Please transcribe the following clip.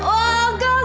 wah gagal dong